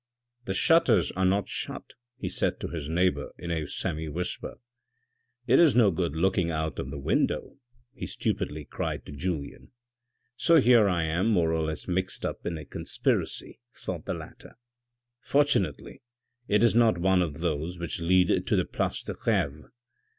" The shutters are not shut," he said to his neighbour in a semi whisper. " It is no good looking out of the window," he stupidly cried to Julien —" so here I am more or less mixed up in a conspiracy," thought the latter. " Fortunately it is not one of those which lead to the Place de Greve.